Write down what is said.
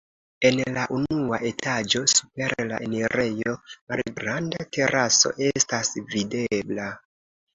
En la unua etaĝo super la enirejo malgranda teraso estas videbla.